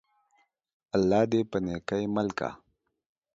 الله دي په نيکۍ مل که!